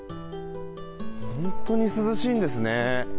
本当に涼しいんですね。